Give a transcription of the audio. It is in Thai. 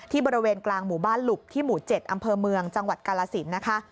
บริเวณกลางหมู่บ้านหลุบที่หมู่๗อำเภอเมืองจังหวัดกาลสินนะคะ